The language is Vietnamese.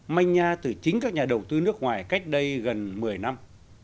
manh nha từ chính các nhà đầu tư nước ngoài cách đây gần một mươi năm